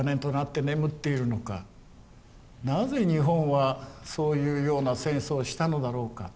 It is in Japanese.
なぜ日本はそういうような戦争をしたのだろうか。